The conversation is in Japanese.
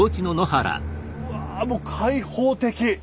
うわもう開放的！